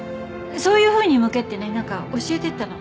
そういうふうにむけってね何か教えてったの。